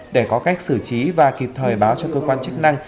để có cách xử trí và kịp thời báo cho cơ quan chức năng